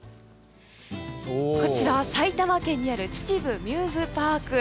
こちら、埼玉県にある秩父ミューズパーク。